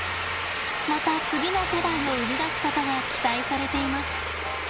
また次の世代を生み出すことが期待されています。